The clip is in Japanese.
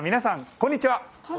こんにちは。